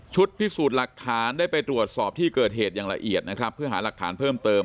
พิสูจน์หลักฐานได้ไปตรวจสอบที่เกิดเหตุอย่างละเอียดนะครับเพื่อหาหลักฐานเพิ่มเติม